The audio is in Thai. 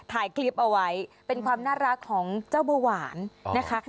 ถ่ายคลิปเอาไว้เป็นความน่ารักของเจ้าเบาหวานนะคะ